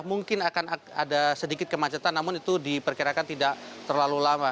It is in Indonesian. mungkin akan ada sedikit kemacetan namun itu diperkirakan tidak terlalu lama